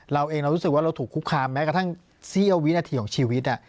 เราเองเรารู้สึกว่าเราถูกคุกคามแม้กระทั่งเสี้ยววินาทีของชีวิต